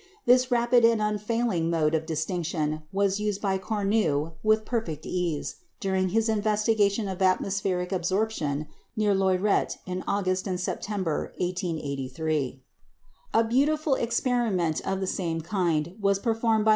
This rapid and unfailing mode of distinction was used by Cornu with perfect ease during his investigation of atmospheric absorption near Loiret in August and September, 1883. A beautiful experiment of the same kind was performed by M.